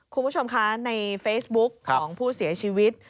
คุณผู้ชมคะในเฟซบุ๊กของผู้เสียชีวิต